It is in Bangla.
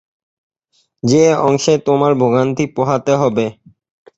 যে অংশে তোমার ভোগান্তি পোহাতে হবে।